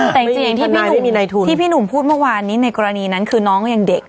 แต่จริงที่พี่หนุ่มพูดเมื่อวานในกรณีนั้นคือน้องยังเด็ก